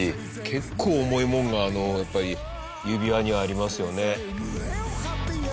結構重いものがあの指輪にはありますよね。